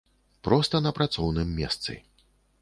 Проста на працоўным месцы.